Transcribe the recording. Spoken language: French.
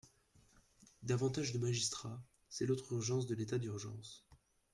Davantage de magistrats : c’est l’autre urgence de l’état d’urgence.